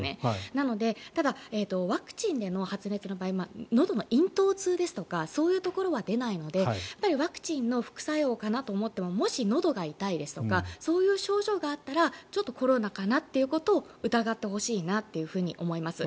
なのでただ、ワクチンでの発熱の場合はのどの咽頭痛ですとかそういうところは出ないのでやっぱりワクチンの副作用かなと思ってももし、のどが痛いですとかそういう症状があったらコロナかなということを疑ってほしいなというふうに思います。